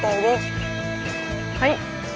はい！